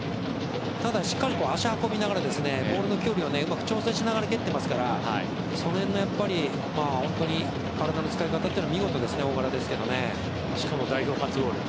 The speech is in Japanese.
ただ、しっかり足を運びながらボールの距離をうまく調整しながら蹴っているのでその辺の体の使い方は見事ですよねしかも代表初ゴール。